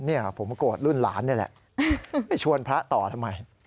เนี่ยผมโกรธรุ่นหลานนี่แหละไปชวนพระต่อทำไม